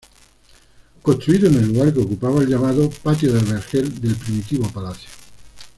Construido en el lugar que ocupaba el llamado "Patio del Vergel" del primitivo palacio.